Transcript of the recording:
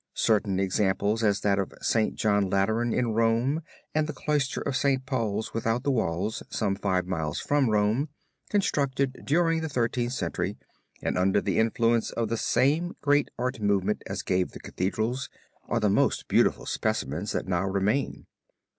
Certain examples as that of St. John Lateran in Rome and the Cloister of St. Paul's without the walls some five miles from Rome, constructed during the Thirteenth Century and under the influence of the same great art movement as gave the Cathedrals, are the most beautiful specimens that now remain.